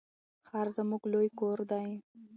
ښار زموږ لوی کور دی.